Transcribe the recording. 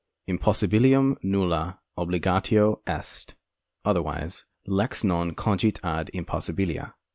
Impossibilium nulla obligatio est. D. 50. 17. 185. Otherwise : Lex non cogit ad impossibilia.